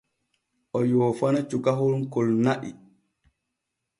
O yoofana cukahon kon na’i.